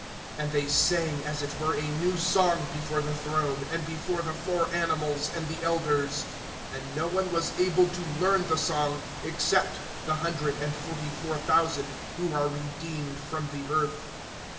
(3)And they sing as it were a new song before the throne, and before the four animals and the elders; and no one was able to learn the song, except the hundred and forty four thousand, who are redeemed from the earth.